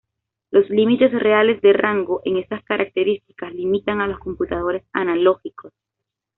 Los límites reales de rango en estas características limitan a los computadores analógicos.